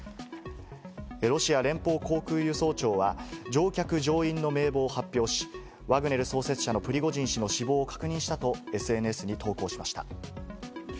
ロシア連邦航空輸送庁は、乗客・乗員の名簿を発表し、ワグネル創設者のプリゴジン氏の死亡を確認したとＳＮＳに投稿しました。